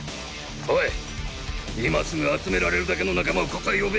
おい今すぐ集められるだけの仲間をここへ呼べ。